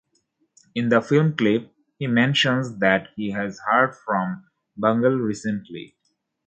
In the film clip, he mentions that he has heard from Bungle recently.